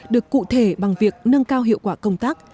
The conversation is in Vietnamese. được cụ thể bằng việc nâng cao hiệu quả công tác